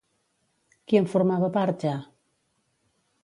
Qui en formava part ja?